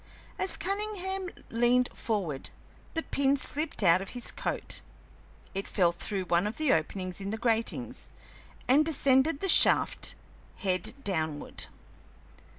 As Cunningham leaned forward the pin slipped out of his coat; it fell through one of the openings in the grating, and descended the shaft head downward.